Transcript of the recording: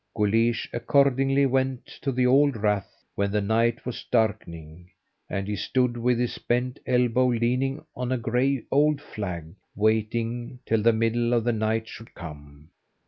Guleesh accordingly went to the old rath when the night was darkening, and he stood with his bent elbow leaning on a grey old flag, waiting till the middle of the night should come.